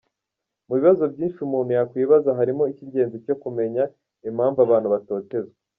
Mu bibazo byinshi umuntu yakwibaza harimo icy’ingenzi cyo kumenya impamvu abantu batotezwa.